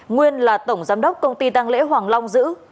nguyên là tổng giám đốc công ty tăng lễ hoàng long giữ